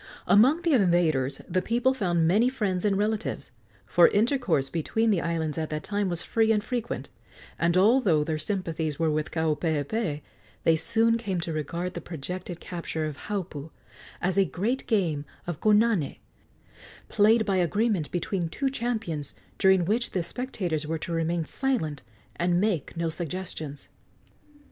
Among the invaders the people found many friends and relatives, for intercourse between the islands at that time was free and frequent; and although their sympathies were with Kaupeepee, they soon came to regard the projected capture of Haupu as a great game of konane, played by agreement between two champions, during which the spectators were to remain silent and make no suggestions.